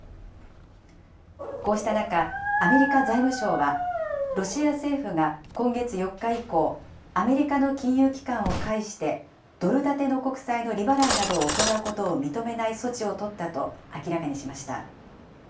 こうした中、アメリカ財務省は、ロシア政府が今月４日以降、アメリカの金融機関を介して、ドル建ての国債の利払いなどを行うことを認めない措置を取ったと明らかにしました。